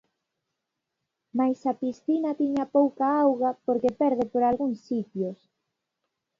Mais a piscina tiña pouca auga porque perde por algúns sitios.